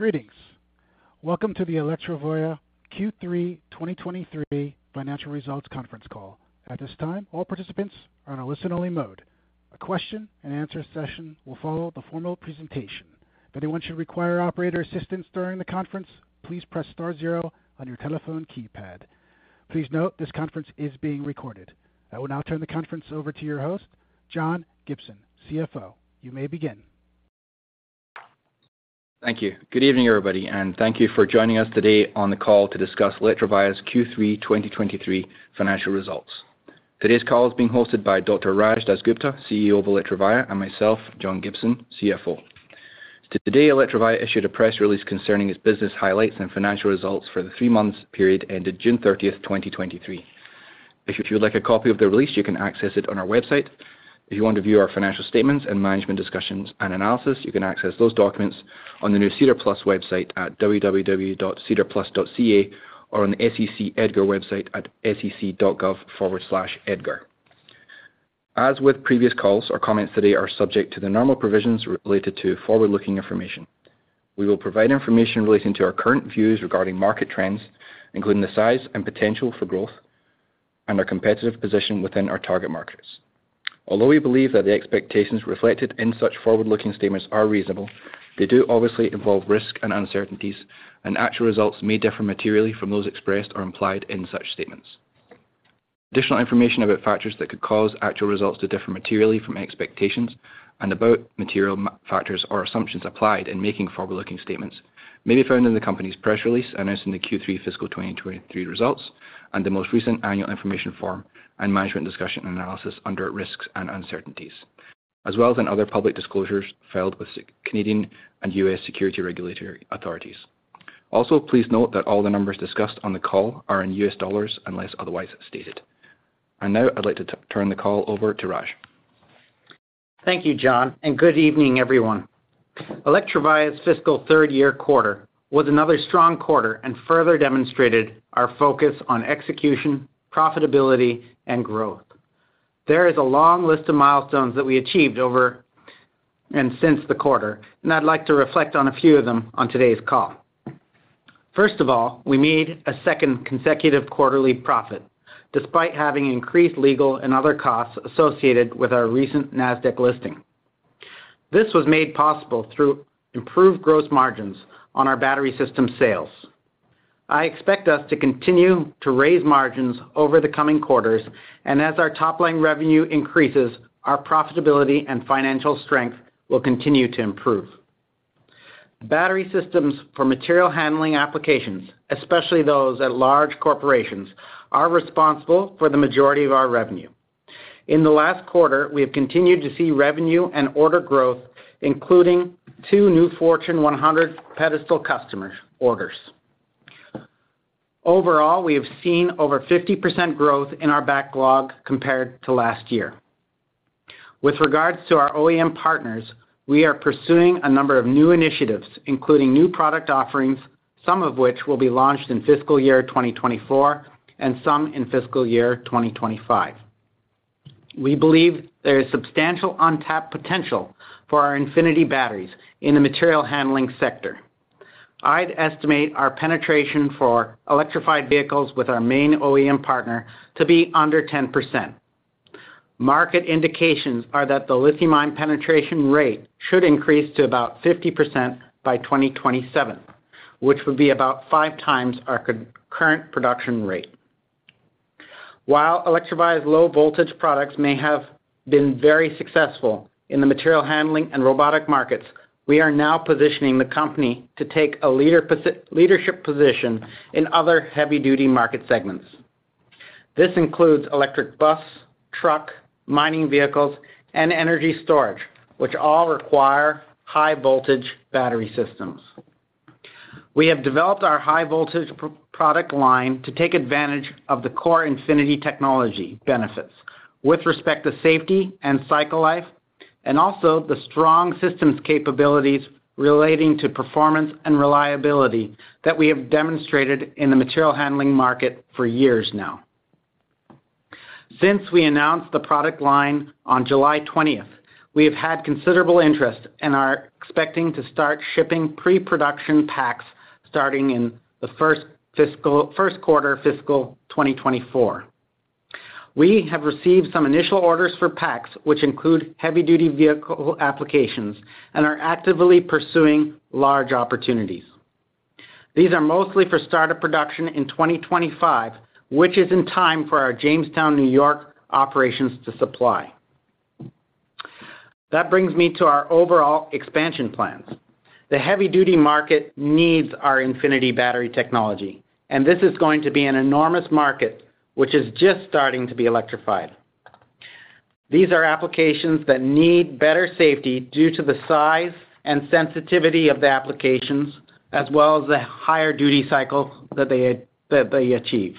Greetings! Welcome to the Electrovaya Q3 2023 Financial Results Conference Call. At this time, all participants are on a listen-only mode. A question-and-answer session will follow the formal presentation. If anyone should require operator assistance during the conference, please press star zero on your telephone keypad. Please note, this conference is being recorded. I will now turn the conference over to your host, John Gibson, CFO. You may begin. Thank you. Good evening, everybody, and thank you for joining us today on the call to discuss Electrovaya's Q3 2023 financial results. Today's call is being hosted by Dr. Raj Dasgupta, CEO of Electrovaya, and myself, John Gibson, CFO. Today, Electrovaya issued a press release concerning its business highlights and financial results for the 3 months period ended June 30, 2023. If you would like a copy of the release, you can access it on our website. If you want to view our financial statements and management discussions and analysis, you can access those documents on the new SEDAR+ website at www.sedarplus.ca or on the SEC EDGAR website at sec.gov/edgar. As with previous calls, our comments today are subject to the normal provisions related to forward-looking information. We will provide information relating to our current views regarding market trends, including the size and potential for growth and our competitive position within our target markets. Although we believe that the expectations reflected in such forward-looking statements are reasonable, they do obviously involve risk and uncertainties, and actual results may differ materially from those expressed or implied in such statements. Additional information about factors that could cause actual results to differ materially from expectations and about material factors or assumptions applied in making forward-looking statements may be found in the company's press release announcing the Q3 fiscal 2023 results, and the most recent annual information form and management discussion and analysis under risks and uncertainties, as well as in other public disclosures filed with Canadian and U.S. security regulatory authorities. Also, please note that all the numbers discussed on the call are in U.S. dollars, unless otherwise stated. Now I'd like to turn the call over to Raj. Thank you, John. Good evening, everyone. Electrovaya's fiscal third year quarter was another strong quarter and further demonstrated our focus on execution, profitability, and growth. There is a long list of milestones that we achieved over and since the quarter, and I'd like to reflect on a few of them on today's call. First of all, we made a second consecutive quarterly profit, despite having increased legal and other costs associated with our recent Nasdaq listing. This was made possible through improved gross margins on our battery system sales. I expect us to continue to raise margins over the coming quarters, and as our top-line revenue increases, our profitability and financial strength will continue to improve. Battery systems for material handling applications, especially those at large corporations, are responsible for the majority of our revenue. In the last quarter, we have continued to see revenue and order growth, including two new Fortune 100 potential customers orders. Overall, we have seen over 50% growth in our backlog compared to last year. With regards to our OEM partners, we are pursuing a number of new initiatives, including new product offerings, some of which will be launched in fiscal year 2024 and some in fiscal year 2025. We believe there is substantial untapped potential for our Infinity batteries in the material handling sector. I'd estimate our penetration for electrified vehicles with our main OEM partner to be under 10%. Market indications are that the lithium-ion penetration rate should increase to about 50% by 2027, which would be about 5 times our current production rate. While Electrovaya's low-voltage products may have been very successful in the material handling and robotic markets, we are now positioning the company to take a leadership position in other heavy-duty market segments. This includes electric bus, truck, mining vehicles, and energy storage, which all require high-voltage battery systems. We have developed our high-voltage product line to take advantage of the core Infinity technology benefits with respect to safety and cycle life, and also the strong systems capabilities relating to performance and reliability that we have demonstrated in the material handling market for years now. Since we announced the product line on July 20th, we have had considerable interest and are expecting to start shipping pre-production packs starting in the first quarter of fiscal 2024. We have received some initial orders for packs, which include heavy-duty vehicle applications, and are actively pursuing large opportunities. These are mostly for startup production in 2025, which is in time for our Jamestown, New York, operations to supply. That brings me to our overall expansion plans. The heavy-duty market needs our Infinity battery technology, and this is going to be an enormous market, which is just starting to be electrified. These are applications that need better safety due to the size and sensitivity of the applications, as well as the higher duty cycle that they achieve.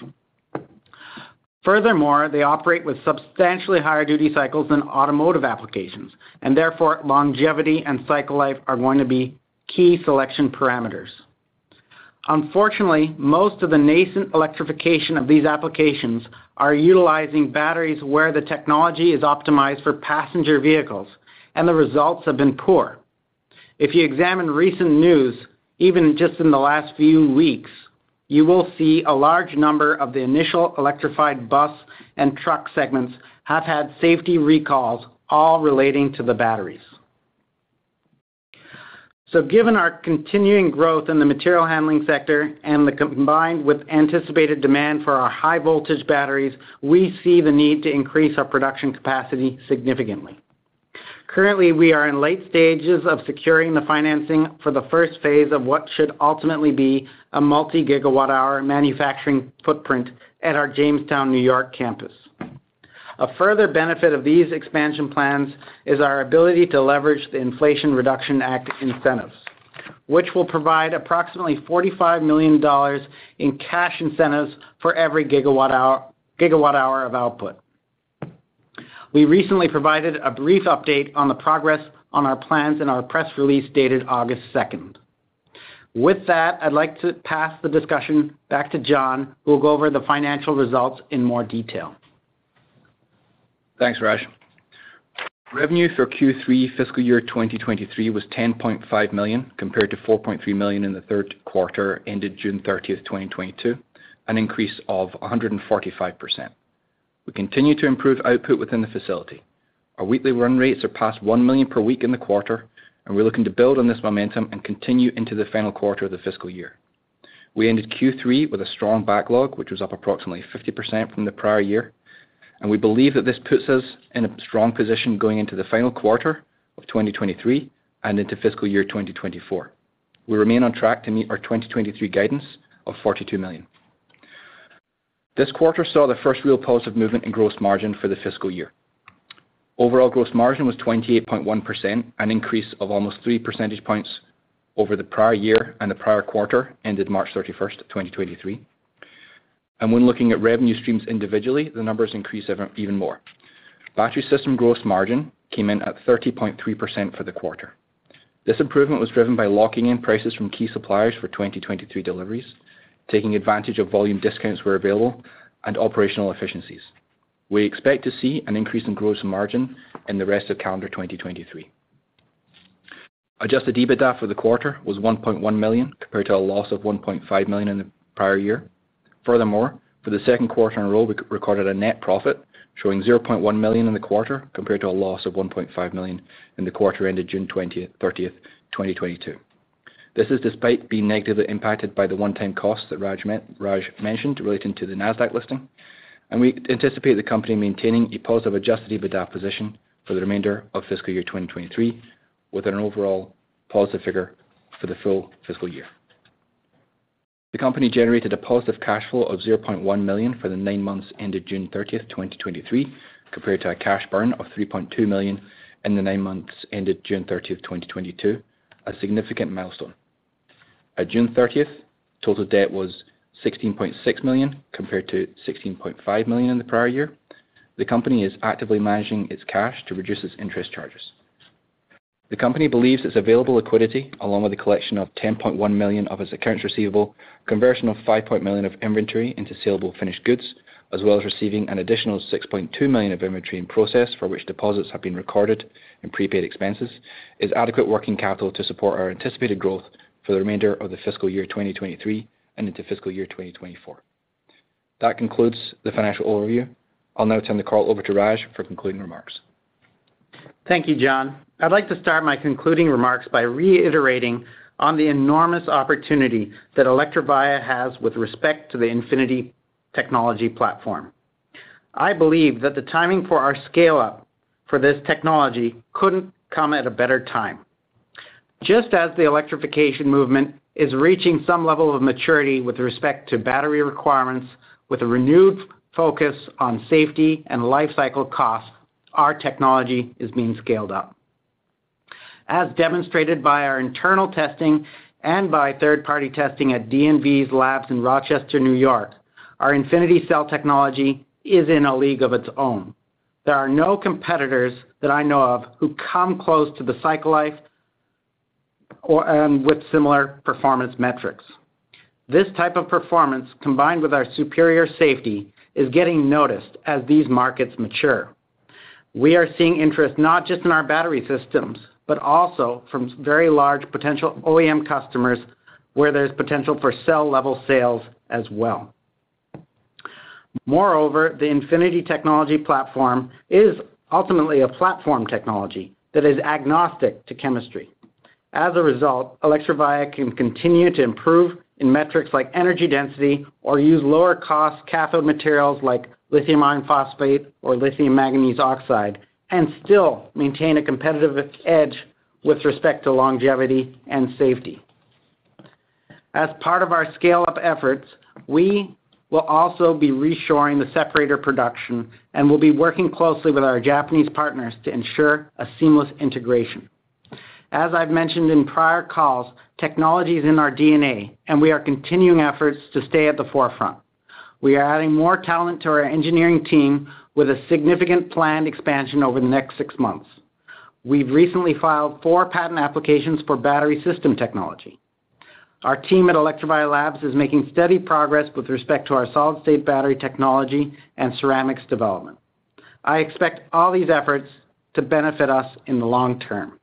Furthermore, they operate with substantially higher duty cycles than automotive applications, and therefore, longevity and cycle life are going to be key selection parameters. Unfortunately, most of the nascent electrification of these applications are utilizing batteries where the technology is optimized for passenger vehicles, and the results have been poor. If you examine recent news, even just in the last few weeks, you will see a large number of the initial electrified bus and truck segments have had safety recalls, all relating to the batteries. Given our continuing growth in the material handling sector and the combined with anticipated demand for our high-voltage batteries, we see the need to increase our production capacity significantly. Currently, we are in late stages of securing the financing for the first phase of what should ultimately be a multi-gigawatt hour manufacturing footprint at our Jamestown, New York, campus. A further benefit of these expansion plans is our ability to leverage the Inflation Reduction Act incentives, which will provide approximately $45 million in cash incentives for every gigawatt hour, gigawatt hour of output. We recently provided a brief update on the progress on our plans in our press release dated August second. With that, I'd like to pass the discussion back to John, who will go over the financial results in more detail. Thanks, Raj. Revenue for Q3 fiscal year 2023 was $10.5 million, compared to $4.3 million in the third quarter, ended June 30, 2022, an increase of 145%. We continue to improve output within the facility. Our weekly run rates are past $1 million per week in the quarter, and we're looking to build on this momentum and continue into the final quarter of the fiscal year. We ended Q3 with a strong backlog, which was up approximately 50% from the prior year, and we believe that this puts us in a strong position going into the final quarter of 2023 and into fiscal year 2024. We remain on track to meet our 2023 guidance of $42 million. This quarter saw the first real positive movement in gross margin for the fiscal year. Overall, gross margin was 28.1%, an increase of almost 3 percentage points over the prior year and the prior quarter, ended March 31, 2023. When looking at revenue streams individually, the numbers increased even more. Battery system gross margin came in at 30.3% for the quarter. This improvement was driven by locking in prices from key suppliers for 2023 deliveries, taking advantage of volume discounts where available, and operational efficiencies. We expect to see an increase in gross margin in the rest of calendar 2023. Adjusted EBITDA for the quarter was $1.1 million, compared to a loss of $1.5 million in the prior year. Furthermore, for the second quarter in a row, we recorded a net profit, showing $0.1 million in the quarter, compared to a loss of $1.5 million in the quarter ended June 30, 2022. This is despite being negatively impacted by the one-time costs that Raj mentioned relating to the Nasdaq listing, and we anticipate the company maintaining a positive Adjusted EBITDA position for the remainder of fiscal year 2023, with an overall positive figure for the full fiscal year. The company generated a positive cash flow of $0.1 million for the nine months ended June 30, 2023, compared to a cash burn of $3.2 million in the nine months ended June 30, 2022, a significant milestone. At June 30th, total debt was $16.6 million, compared to $16.5 million in the prior year. The company is actively managing its cash to reduce its interest charges. The company believes its available liquidity, along with the collection of $10.1 million of its accounts receivable, conversion of $5 million of inventory into saleable finished goods, as well as receiving an additional $6.2 million of inventory in process for which deposits have been recorded in prepaid expenses, is adequate working capital to support our anticipated growth for the remainder of the fiscal year 2023 and into fiscal year 2024. That concludes the financial overview. I'll now turn the call over to Raj for concluding remarks. Thank you, John. I'd like to start my concluding remarks by reiterating on the enormous opportunity that Electrovaya has with respect to the Infinity technology platform. I believe that the timing for our scale-up for this technology couldn't come at a better time. Just as the electrification movement is reaching some level of maturity with respect to battery requirements, with a renewed focus on safety and life cycle costs, our technology is being scaled up. As demonstrated by our internal testing and by third-party testing at DNV's labs in Rochester, New York, our Infinity cell technology is in a league of its own. There are no competitors that I know of who come close to the cycle life or with similar performance metrics. This type of performance, combined with our superior safety, is getting noticed as these markets mature. We are seeing interest not just in our battery systems, but also from very large potential OEM customers, where there's potential for cell-level sales as well. Moreover, the Infinity technology platform is ultimately a platform technology that is agnostic to chemistry. As a result, Electrovaya can continue to improve in metrics like energy density or use lower-cost cathode materials like lithium iron phosphate or lithium manganese oxide, and still maintain a competitive edge with respect to longevity and safety. As part of our scale-up efforts, we will also be reshoring the separator production and will be working closely with our Japanese partners to ensure a seamless integration. As I've mentioned in prior calls, technology is in our DNA, and we are continuing efforts to stay at the forefront. We are adding more talent to our engineering team with a significant planned expansion over the next 6 months. we've recently filed four patent applications for battery system technology. Our team at Electrovaya Labs is making steady progress with respect to our solid-state battery technology and ceramics development. I expect all these efforts to benefit us in the long term.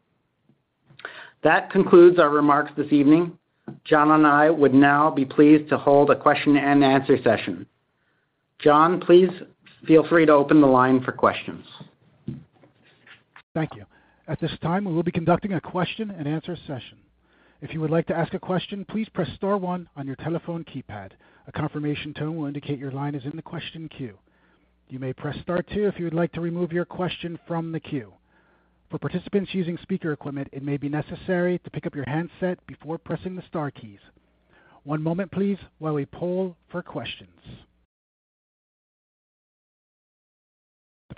That concludes our remarks this evening. John and I would now be pleased to hold a question-and-answer session. John, please feel free to open the line for questions. Thank you. At this time, we will be conducting a question-and-answer session. If you would like to ask a question, please press star one on your telephone keypad. A confirmation tone will indicate your line is in the question queue. You may press star two if you would like to remove your question from the queue. For participants using speaker equipment, it may be necessary to pick up your handset before pressing the star keys. One moment, please, while we poll for questions.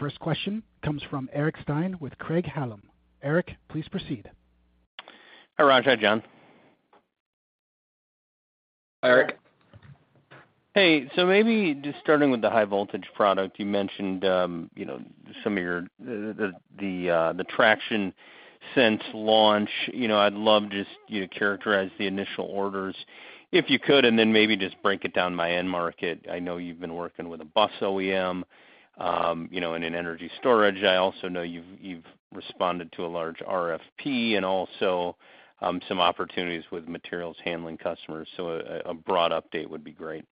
The first question comes from Eric Stine with Craig-Hallum. Eric, please proceed. Hi, Raj. Hi, John. Hi, Eric. Hey, maybe just starting with the high-voltage product, you mentioned, you know, some of your the traction since launch. You know, I'd love just you to characterize the initial orders, if you could, and then maybe just break it down by end market. I know you've been working with a bus OEM, you know, and in energy storage. I also know you've, you've responded to a large RFP and also, some opportunities with materials handling customers. A broad update would be great.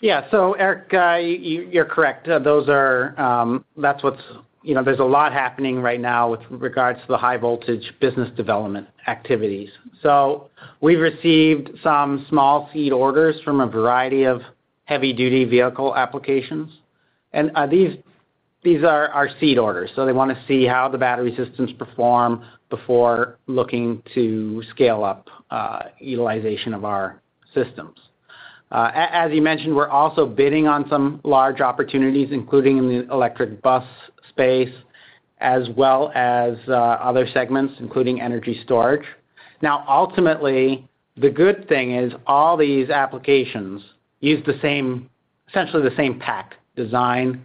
Yeah. Eric, you, you're correct. Those are... You know, there's a lot happening right now with regards to the high-voltage business development activities. We've received some small seed orders from a variety of heavy-duty vehicle applications. These, these are our seed orders, so they wanna see how the battery systems perform before looking to scale up utilization of our systems. As you mentioned, we're also bidding on some large opportunities, including in the electric bus space, as well as other segments, including energy storage. Now, ultimately, the good thing is all these applications use the same, essentially the same pack design,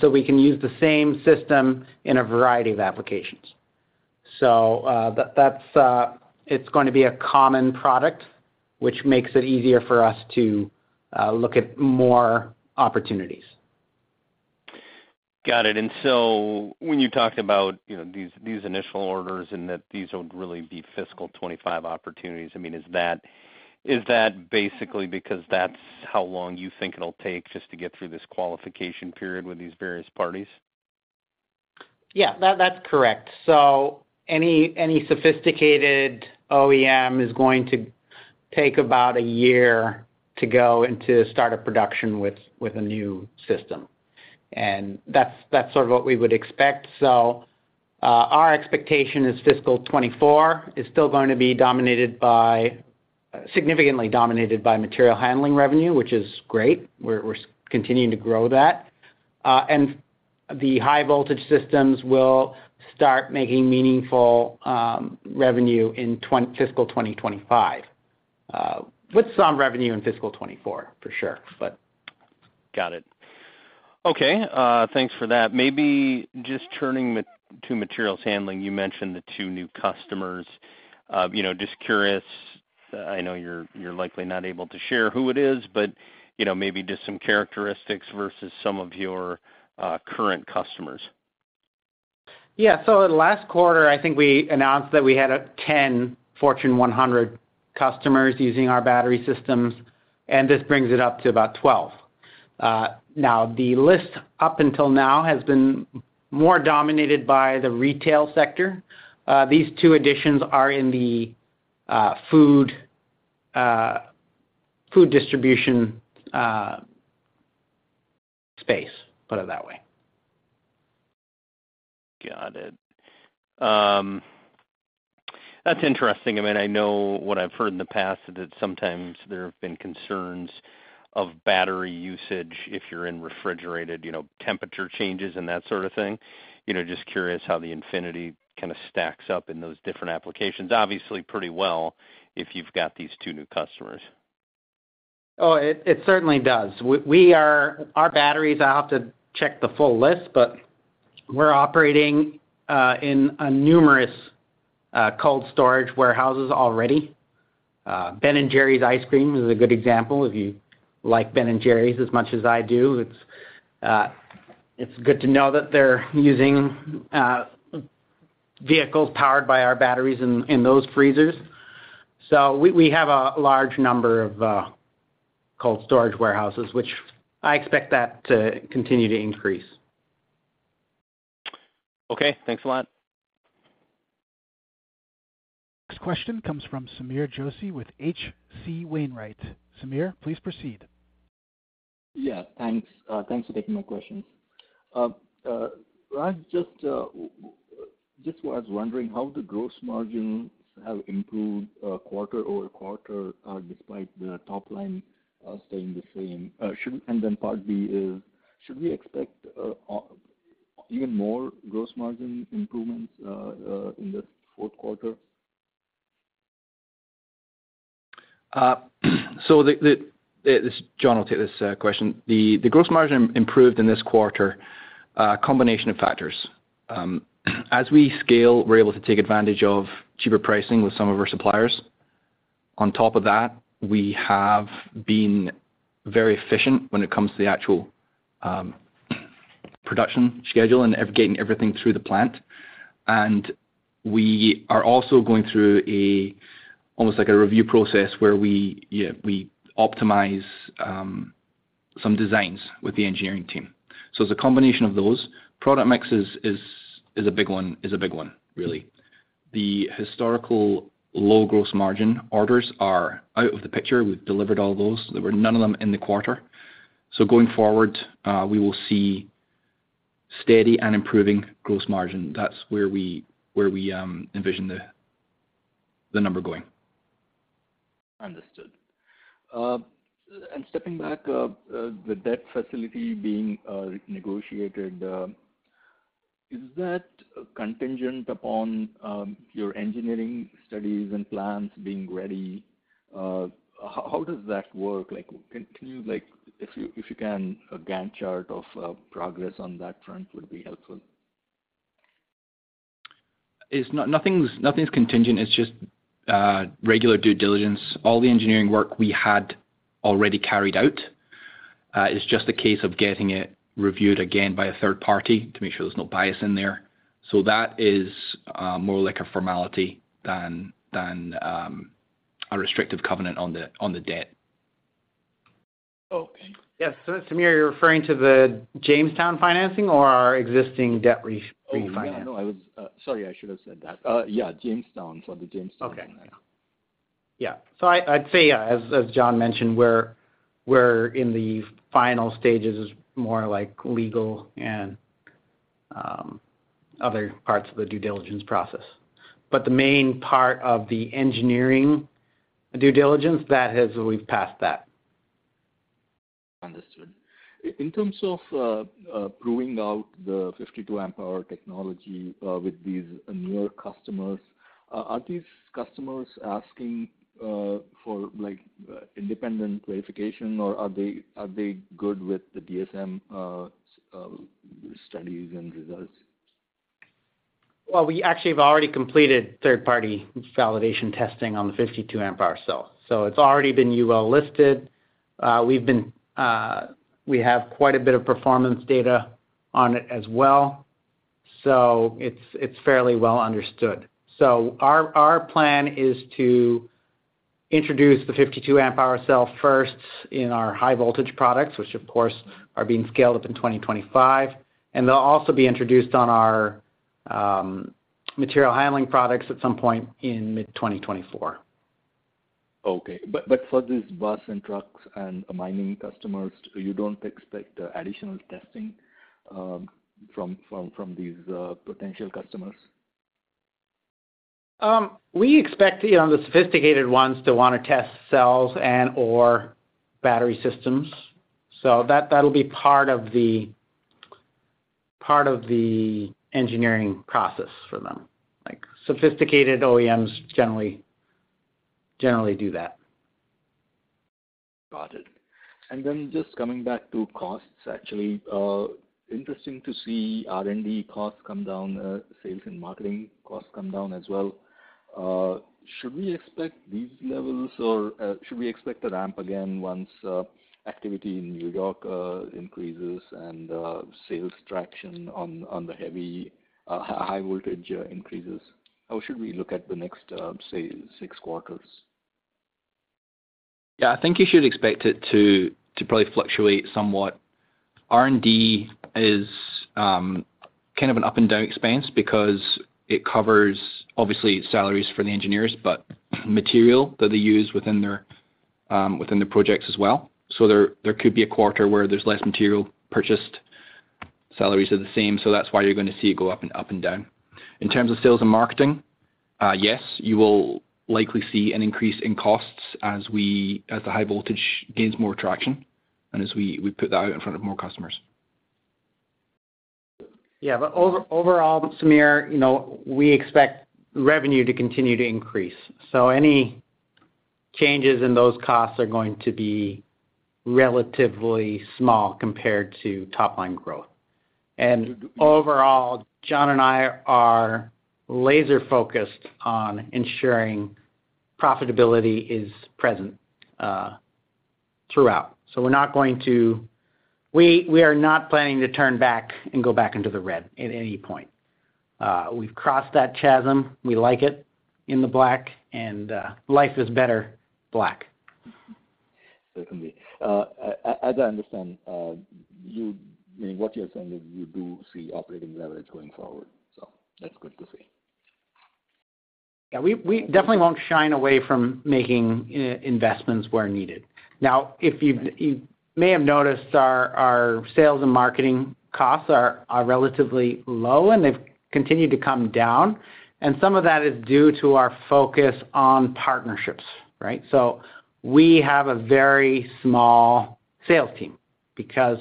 so we can use the same system in a variety of applications. That, that's... It's going to be a common product, which makes it easier for us to look at more opportunities. Got it. So when you talked about, you know, these, these initial orders and that these would really be fiscal 2025 opportunities, I mean, is that, is that basically because that's how long you think it'll take just to get through this qualification period with these various parties? Yeah, that, that's correct. Any, any sophisticated OEM is going to take about a year to go and to start a production with, with a new system. That's, that's sort of what we would expect. Our expectation is fiscal 2024 is still going to be significantly dominated by material handling revenue, which is great. We're, we're continuing to grow that. The high-voltage systems will start making meaningful revenue in fiscal 2025, with some revenue in fiscal 2024, for sure, but. Got it. Okay, thanks for that. Maybe just turning to materials handling, you mentioned the two new customers. You know, just curious, I know you're, you're likely not able to share who it is, but, you know, maybe just some characteristics versus some of your current customers. Yeah. Last quarter, I think we announced that we had 10 Fortune 100 customers using our battery systems, and this brings it up to about 12. Now, the list up until now has been more dominated by the retail sector. These two additions are in the food, food distribution space, put it that way. Got it. That's interesting. I mean, I know what I've heard in the past, that sometimes there have been concerns of battery usage if you're in refrigerated, you know, temperature changes and that sort of thing. You know, just curious how the Infinity kind of stacks up in those different applications. Obviously, pretty well, if you've got these two new customers. Oh, it, it certainly does. We are our batteries, I'll have to check the full list, but we're operating in a numerous cold storage warehouses already. Ben & Jerry's ice cream is a good example. If you like Ben & Jerry's as much as I do, it's good to know that they're using vehicles powered by our batteries in, in those freezers. We, we have a large number of cold storage warehouses, which I expect that to continue to increase. Okay, thanks a lot. Next question comes from Sameer Joshi with H.C. Wainwright. Sameer, please proceed. Yeah, thanks. Thanks for taking my question. Raj, just was wondering how the gross margins have improved quarter-over-quarter, despite the top line staying the same? Then part B is, should we expect even more gross margin improvements in the fourth quarter? It's, John will take this question. The gross margin improved in this quarter, combination of factors. As we scale, we're able to take advantage of cheaper pricing with some of our suppliers. On top of that, we have been very efficient when it comes to the actual production schedule and getting everything through the plant. We are also going through a, almost like a review process, where we, yeah, we optimize some designs with the engineering team. It's a combination of those. Product mixes is a big one, is a big one, really. The historical low gross margin orders are out of the picture. We've delivered all those. There were none of them in the quarter. Going forward, we will see steady and improving gross margin. That's where we envision the number going. Understood. Stepping back, the debt facility being negotiated, is that contingent upon your engineering studies and plans being ready? How, how does that work? Like, can, can you... Like, if you, if you can, a Gantt chart of progress on that front would be helpful. It's not-- nothing's, nothing's contingent. It's just regular due diligence. All the engineering work we had already carried out. It's just a case of getting it reviewed again by a third party to make sure there's no bias in there. That is more like a formality than, than a restrictive covenant on the, on the debt. Okay. Yes, Samir, you're referring to the Jamestown financing or our existing debt ref- refinance? Oh, no, no, I was, sorry, I should have said that. Yeah, Jamestown. The Jamestown financing. Okay. Yeah. I, I'd say, as, as John mentioned, we're, we're in the final stages, is more like legal and other parts of the due diligence process. The main part of the engineering due diligence, we've passed that. Understood. In terms of, proving out the 52 Ah technology, with these newer customers, are these customers asking, for, like, independent verification, or are they, are they good with the DNV, studies and results? Well, we actually have already completed third-party validation testing on the 52 amp hour cell, so it's already been UL listed. We've been... We have quite a bit of performance data on it as well, so it's, it's fairly well understood. Our, our plan is to introduce the 52 amp hour cell first in our high voltage products, which, of course, are being scaled up in 2025, and they'll also be introduced on our material handling products at some point in mid-2024. Okay. For these bus and trucks and mining customers, you don't expect additional testing from, from, from these potential customers? We expect, you know, the sophisticated ones to wanna test cells and/or battery systems, so that, that'll be part of the, part of the engineering process for them. Like, sophisticated OEMs generally, generally do that. Got it. Just coming back to costs, actually, interesting to see R&D costs come down, sales and marketing costs come down as well. Should we expect these levels, or should we expect a ramp again once activity in New York increases and sales traction on the heavy, high voltage, increases? How should we look at the next, say, six quarters? Yeah, I think you should expect it to, to probably fluctuate somewhat. R&D is kind of an up-and-down expense because it covers obviously salaries for the engineers, but material that they use within their, within the projects as well. There, there could be a quarter where there's less material purchased. Salaries are the same, so that's why you're going to see it go up and up and down. In terms of sales and marketing, yes, you will likely see an increase in costs as the high voltage gains more traction and as we, we put that out in front of more customers. Yeah, overall, Samir, you know, we expect revenue to continue to increase, so any changes in those costs are going to be relatively small compared to top-line growth. Overall, John and I are laser focused on ensuring profitability is present, throughout. We're not going to. We, we are not planning to turn back and go back into the red at any point. We've crossed that chasm. We like it in the black, and, life is better black. Certainly. As I understand, I mean, what you're saying is you do see operating leverage going forward, so that's good to see. Yeah, we, we definitely won't shy away from making investments where needed. If you've You may have noticed our, our sales and marketing costs are, are relatively low, and they've continued to come down, and some of that is due to our focus on partnerships, right? We have a very small sales team because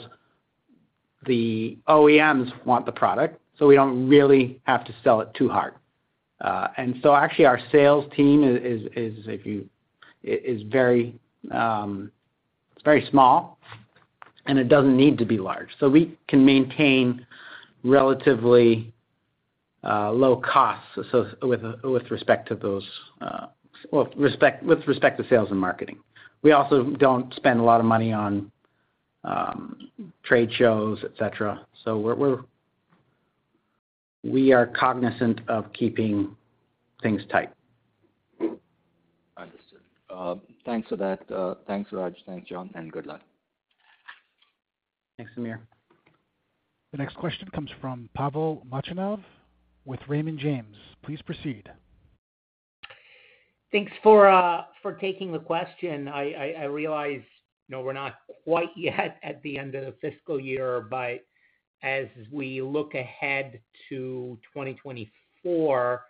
the OEMs want the product, so we don't really have to sell it too hard. Actually, our sales team is very, very small, and it doesn't need to be large. We can maintain relatively low costs with respect to sales and marketing. We also don't spend a lot of money on trade shows, et cetera. We are cognizant of keeping things tight. Understood. Thanks for that. Thanks, Raj. Thanks, John, and good luck. Thanks, Sameer. The next question comes from Pavel Molchanov with Raymond James. Please proceed. Thanks for for taking the question. I realize, you know, we're not quite yet at the end of the fiscal year, but as we look ahead to 2024,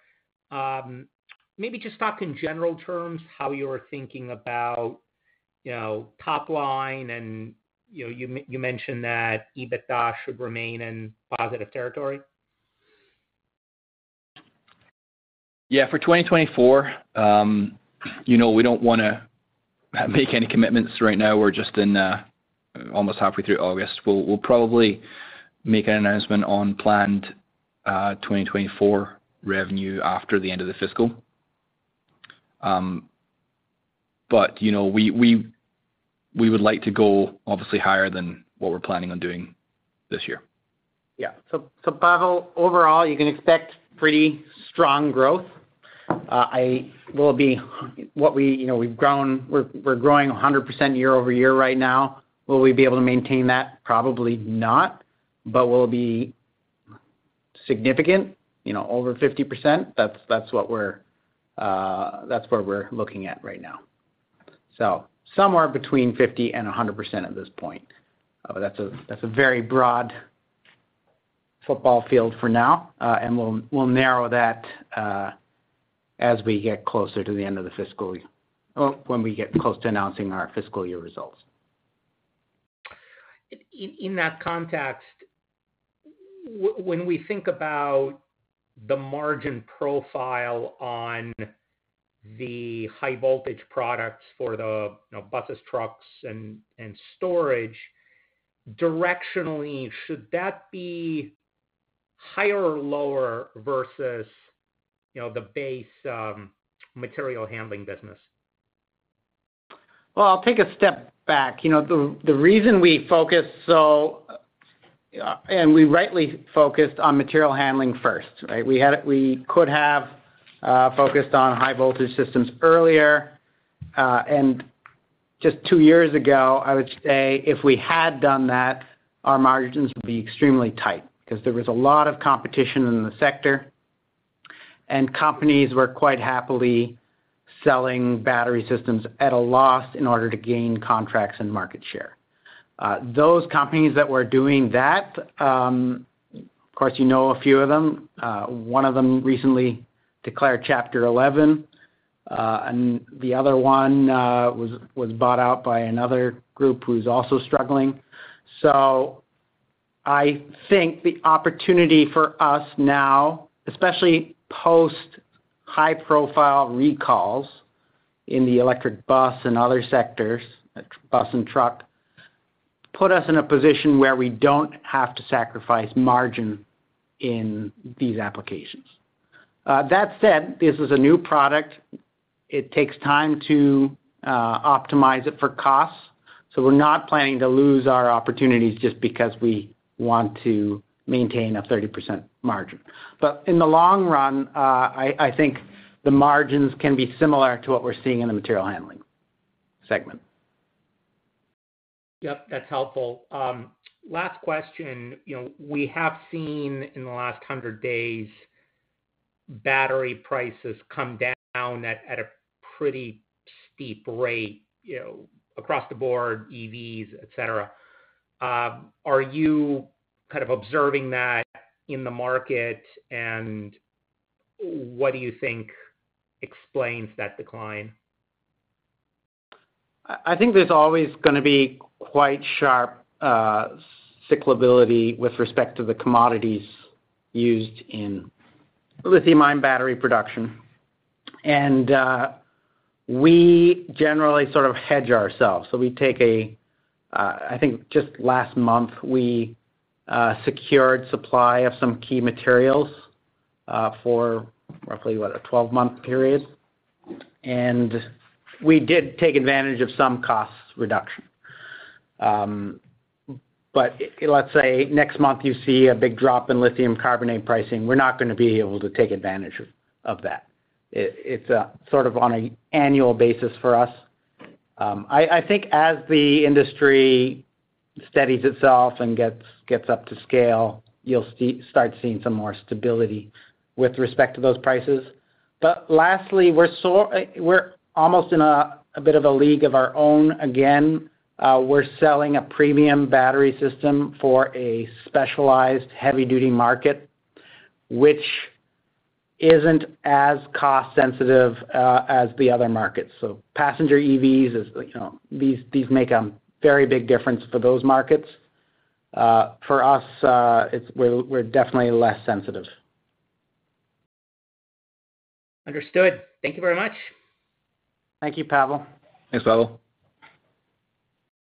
maybe just talk in general terms, how you're thinking about, you know, top line and, you know, you, you mentioned that EBITDA should remain in positive territory. Yeah, for 2024, you know, we don't wanna make any commitments right now. We're just in almost halfway through August. We'll, we'll probably make an announcement on planned 2024 revenue after the end of the fiscal. You know, we, we, we would like to go obviously higher than what we're planning on doing this year. Yeah. Pavel, overall, you can expect pretty strong growth. You know, we're growing 100% year-over-year right now. Will we be able to maintain that? Probably not. Will it be significant, you know, over 50%? That's, that's what we're, that's what we're looking at right now. Somewhere between 50%-100% at this point. That's a, that's a very broad football field for now, and we'll, we'll narrow that, as we get closer to the end of the fiscal year or when we get close to announcing our fiscal year results. In that context, when we think about the margin profile on the high voltage products for the, you know, buses, trucks, and, and storage, directionally, should that be higher or lower versus, you know, the base, material handling business? Well, I'll take a step back. You know, the, the reason we focus so-- and we rightly focused on material handling first, right? We had-- we could have focused on high voltage systems earlier. Just two years ago, I would say if we had done that, our margins would be extremely tight because there was a lot of competition in the sector, and companies were quite happily selling battery systems at a loss in order to gain contracts and market share. Those companies that were doing that, of course, you know, a few of them, one of them recently declared Chapter 11, and the other one was, was bought out by another group who's also struggling. I think the opportunity for us now, especially post-high profile recalls in the electric bus and other sectors, bus and truck, put us in a position where we don't have to sacrifice margin in these applications. That said, this is a new product. It takes time to optimize it for costs, so we're not planning to lose our opportunities just because we want to maintain a 30% margin. In the long run, I think the margins can be similar to what we're seeing in the material handling segment. Yep, that's helpful. Last question. You know, we have seen in the last 100 days, battery prices come down at a pretty steep rate, you know, across the board, EVs, et cetera. Are you kind of observing that in the market, and what do you think explains that decline? I think there's always gonna be quite sharp cyclability with respect to the commodities used in lithium-ion battery production. We generally sort of hedge ourselves. I think just last month, we secured supply of some key materials for roughly, what, a 12-month period? We did take advantage of some costs reduction. Let's say next month you see a big drop in lithium carbonate pricing, we're not gonna be able to take advantage of that. It's a sort of on a annual basis for us. I think as the industry steadies itself and gets up to scale, you'll start seeing some more stability with respect to those prices. Lastly, we're almost in a bit of a league of our own again. We're selling a premium battery system for a specialized heavy-duty market, which isn't as cost sensitive as the other markets. Passenger EVs is, you know, these, these make a very big difference for those markets. For us, we're, we're definitely less sensitive. Understood. Thank you very much. Thank you, Pavel. Thanks, Pavel.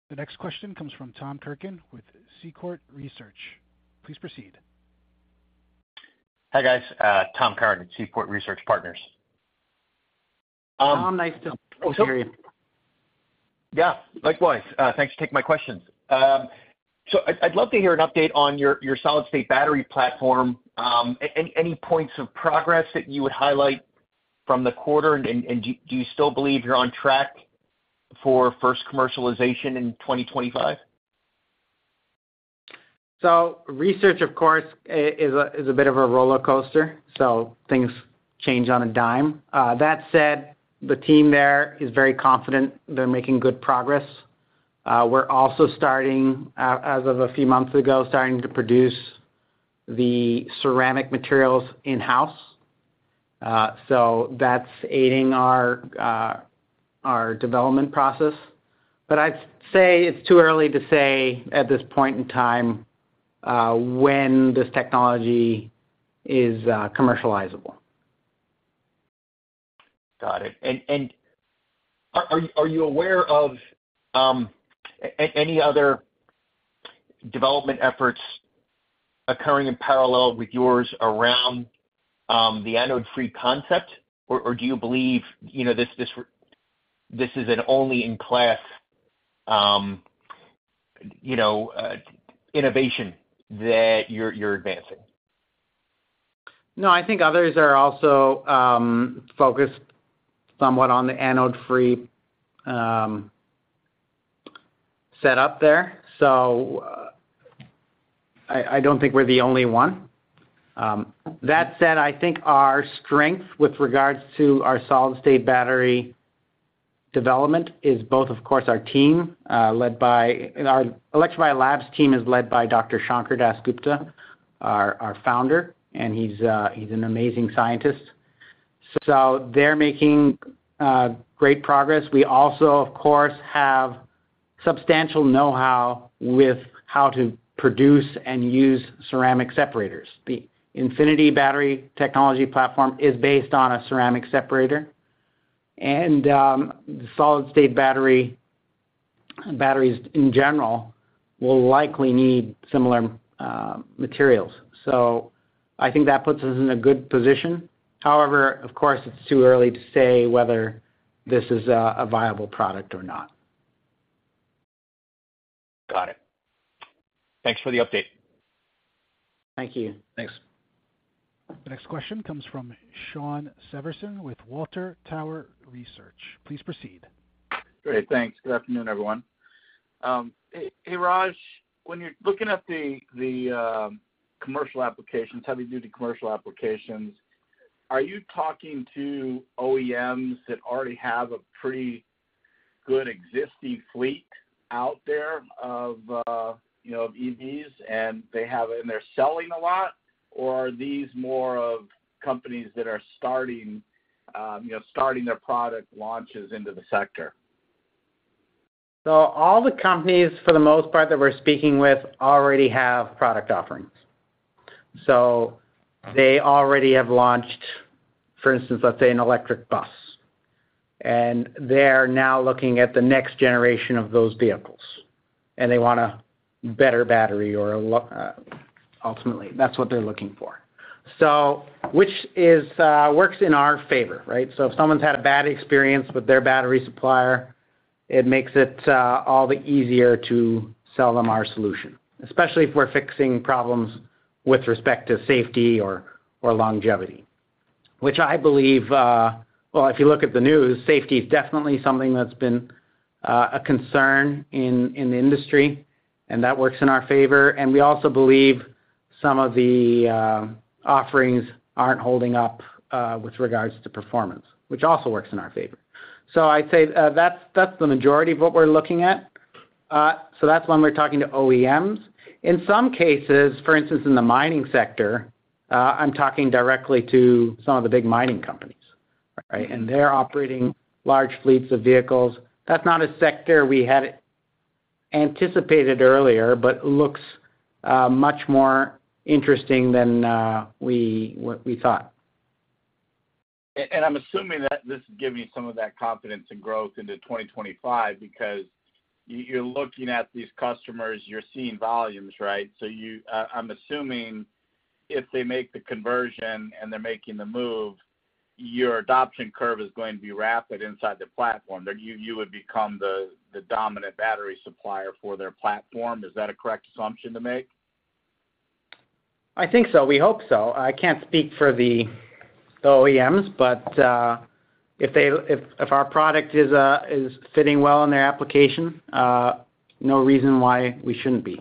The next question comes from Tom Curran, with Seaport Research. Please proceed. Hi, guys, Tom Curran, with Seaport Research Partners. Tom, nice to hear you. Yeah, likewise. Thanks for taking my questions. I'd love to hear an update on your solid-state battery platform, any points of progress that you would highlight from the quarter, and do you still believe you're on track for first commercialization in 2025? Research, of course, is a bit of a rollercoaster, so things change on a dime. That said, the team there is very confident they're making good progress. We're also starting, as of a few months ago, starting to produce the ceramic materials in-house. That's aiding our, our development process. I'd say it's too early to say at this point in time, when this technology is commercializable. Got it. and are, are you aware of, any other development efforts occurring in parallel with yours around, the anode-free concept? Or, or do you believe, you know, this, this this is an only-in-class, you know, innovation that you're, you're advancing? No, I think others are also focused somewhat on the anode-free setup there. I, I don't think we're the only one. That said, I think our strength with regards to our solid-state battery development is both, of course, our team, led by-- our Electrovaya Labs team is led by Dr. Sankar DasGupta, our, our founder, and he's a, he's an amazing scientist. They're making great progress. We also, of course, have substantial know-how with how to produce and use ceramic separators. The Infinity battery technology platform is based on a ceramic separator, and the solid-state battery, batteries in general will likely need similar materials. I think that puts us in a good position. However, of course, it's too early to say whether this is a, a viable product or not. Got it. Thanks for the update. Thank you. Thanks. The next question comes from Shawn Severson with Water Tower Research. Please proceed. Great. Thanks. Good afternoon, everyone. Raj, when you're looking at the commercial applications, are you talking to OEMs that already have a pretty good existing fleet out there of, you know, EVs, and they're selling a lot, or are these more of companies that are starting, you know, starting their product launches into the sector? All the companies, for the most part, that we're speaking with, already have product offerings. They already have launched, for instance, let's say, an electric bus, and they're now looking at the next generation of those vehicles, and they want a better battery or a lo-- ultimately, that's what they're looking for. Which is, works in our favor, right? If someone's had a bad experience with their battery supplier, it makes it all the easier to sell them our solution, especially if we're fixing problems with respect to safety or, or longevity, which I believe, well, if you look at the news, safety is definitely something that's been a concern in the industry, and that works in our favor. We also believe some of the offerings aren't holding up with regards to performance, which also works in our favor. I'd say, that's, that's the majority of what we're looking at. That's when we're talking to OEMs. In some cases, for instance, in the mining sector, I'm talking directly to some of the big mining companies, right? They're operating large fleets of vehicles. That's not a sector we had anticipated earlier, but looks much more interesting than what we thought. I'm assuming that this is giving you some of that confidence and growth into 2025 because you, you're looking at these customers, you're seeing volumes, right? I'm assuming if they make the conversion and they're making the move, your adoption curve is going to be rapid inside the platform. That you, you would become the, the dominant battery supplier for their platform. Is that a correct assumption to make? I think so. We hope so. I can't speak for the OEMs, but, if our product is fitting well in their application, no reason why we shouldn't be.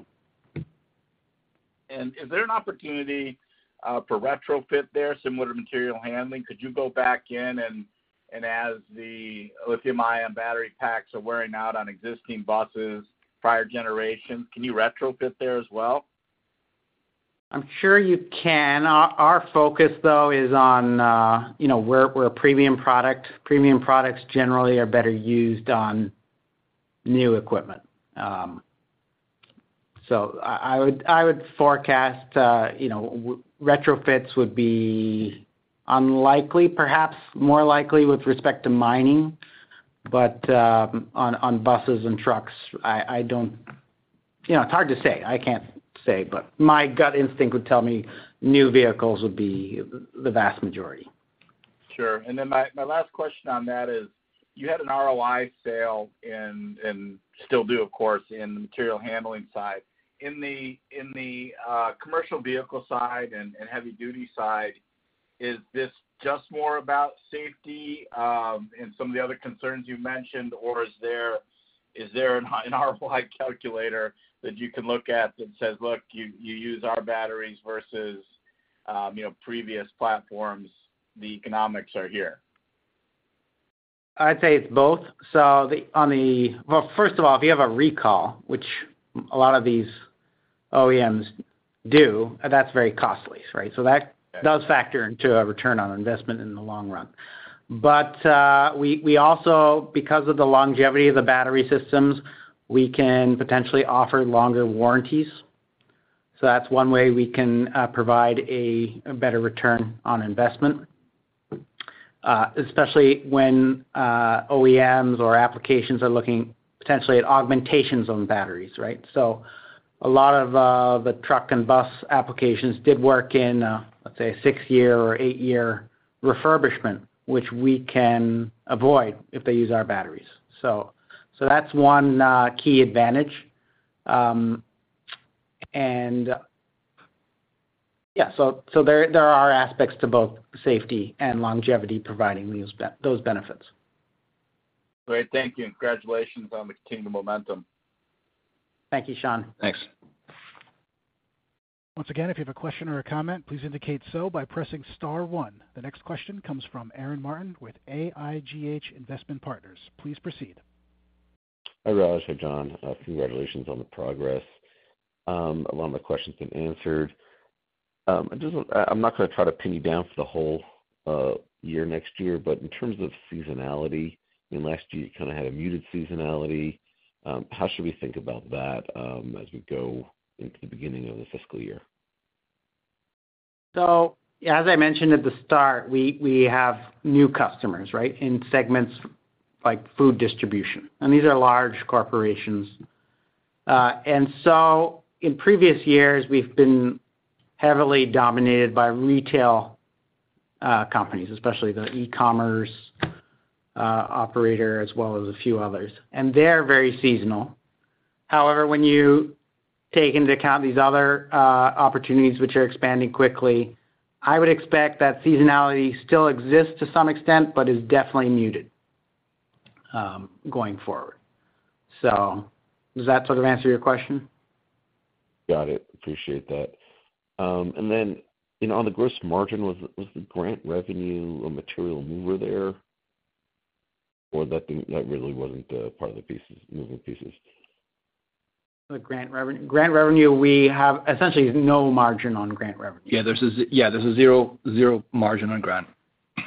Is there an opportunity for retrofit there, similar to material handling? Could you go back in and as the lithium-ion battery packs are wearing out on existing buses, prior generation, can you retrofit there as well? I'm sure you can. Our, our focus, though, is on, you know, we're, we're a premium product. Premium products generally are better used on new equipment. I, I would, I would forecast, you know, retrofits would be unlikely, perhaps more likely with respect to mining. On, on buses and trucks, I, I don't, you know, it's hard to say. I can't say, but my gut instinct would tell me new vehicles would be the, the vast majority. Sure. Then my, my last question on that is: you had an ROI sale and, and still do, of course, in the material handling side. In the, in the commercial vehicle side and, and heavy-duty side, is this just more about safety, and some of the other concerns you mentioned, or is there, is there an ROI calculator that you can look at that says, "Look, you, you use our batteries versus, you know, previous platforms, the economics are here? I'd say it's both. Well, first of all, if you have a recall, which a lot of these OEMs do, that's very costly, right? Yeah Does factor into a return on investment in the long run. We, we also, because of the longevity of the battery systems, we can potentially offer longer warranties. That's one way we can provide a better return on investment, especially when OEMs or applications are looking potentially at augmentations on batteries, right? A lot of the truck and bus applications did work in, let's say, a six-year or eight-year refurbishment, which we can avoid if they use our batteries. That's one key advantage. And yeah, there are aspects to both safety and longevity providing those benefits. Great. Thank you, and congratulations on maintaining the momentum. Thank you, Shawn. Thanks. Once again, if you have a question or a comment, please indicate so by pressing star one. The next question comes from Aaron Martin with AIGH Investment Partners. Please proceed. Hi, Raj. Hi, John. Congratulations on the progress. A lot of my questions have been answered. I'm not gonna try to pin you down for the whole year next year, but in terms of seasonality, I mean, last year you kinda had a muted seasonality. How should we think about that as we go into the beginning of the fiscal year? As I mentioned at the start, we, we have new customers, right, in segments like food distribution, and these are large corporations. In previous years, we've been heavily dominated by retail, companies, especially the e-commerce, operator, as well as a few others, and they're very seasonal. However, when you take into account these other, opportunities which are expanding quickly, I would expect that seasonality still exists to some extent, but is definitely muted, going forward. Does that sort of answer your question? Got it. Appreciate that. You know, on the gross margin, was, was the grant revenue a material mover there, or that really wasn't, part of the pieces, moving pieces? The grant revenue? Grant revenue, we have essentially no margin on grant revenue. Yeah, there's a zero, zero margin on grant,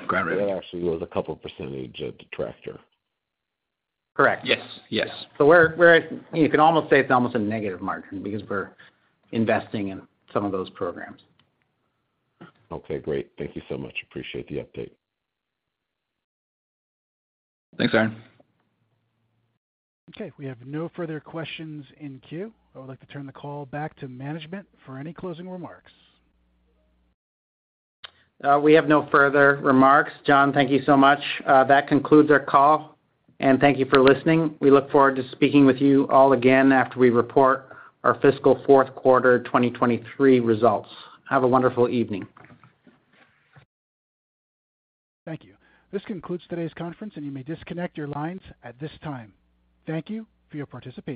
grant revenue. That actually was a couple % detractor. Correct. Yes, yes. We're you can almost say it's almost a negative margin because we're investing in some of those programs. Okay, great. Thank you so much. Appreciate the update. Thanks, Aaron. Okay, we have no further questions in queue. I would like to turn the call back to management for any closing remarks. We have no further remarks. John, thank you so much. That concludes our call, and thank you for listening. We look forward to speaking with you all again after we report our fiscal fourth quarter 2023 results. Have a wonderful evening. Thank you. This concludes today's conference. You may disconnect your lines at this time. Thank you for your participation.